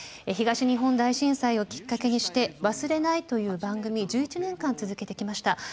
東日本大震災をきっかけにして「わ・す・れ・な・い」という番組１１年間続けてきました。